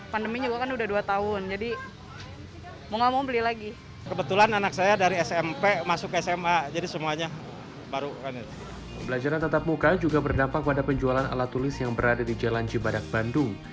pembelajaran tetap muka juga berdampak pada penjualan alat tulis yang berada di jalan cibadak bandung